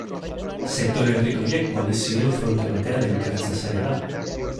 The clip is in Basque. Sektore herrikoiak koalizio edo fronte batean elkartzea zaila da.